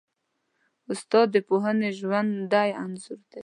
استاد د پوهنې ژوندی انځور دی.